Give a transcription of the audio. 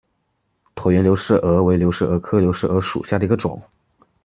椭圆流石蛾为流石蛾科流石蛾属下的一个种。